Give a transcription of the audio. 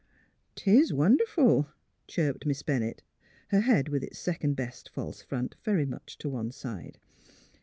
" 'Tis wonderful," chirped Miss Bennett, her head, with its second best false front, very much to one side.